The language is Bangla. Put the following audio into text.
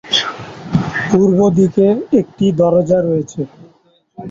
পূর্বদিকে একটি দরজা রয়েছে।